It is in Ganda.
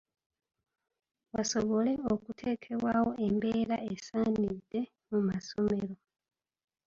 Wasobole okuteekebwawo embeera esaanidde mu masomero.